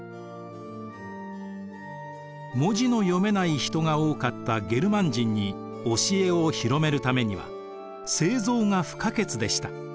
文字の読めない人が多かったゲルマン人に教えを広めるためには聖像が不可欠でした。